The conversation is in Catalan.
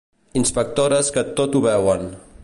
Inspectores que tot ho veuen.